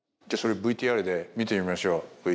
じゃそれをＶＴＲで見てみましょう。